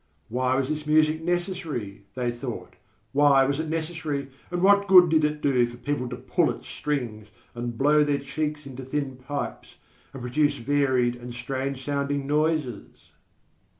Why was this music necessary, they thought, why was it necessary and what good did it do for people to pull at strings and blow their cheeks into thin pipes, and produce varied and strange sounding noises?